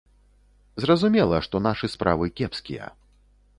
Зразумела, што нашы справы кепскія.